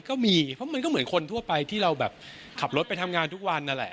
ก็มีเพราะมันก็เหมือนคนทั่วไปที่เราแบบขับรถไปทำงานทุกวันนั่นแหละ